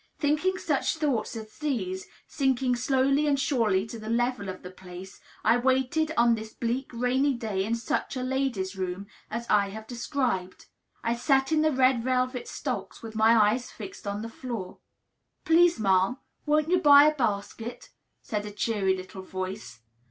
Thinking such thoughts as these, sinking slowly and surely to the level of the place, I waited, on this bleak, rainy day, in just such a "Ladies' Room" as I have described. I sat in the red velvet stocks, with my eyes fixed on the floor. "Please, ma'am, won't you buy a basket?" said a cheery little voice.